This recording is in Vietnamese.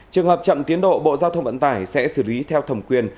trường hợp chậm tiến độ bộ giao thông vận tải sẽ xử lý theo thẩm quyền